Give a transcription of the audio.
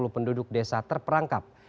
enam puluh penduduk desa terperangkap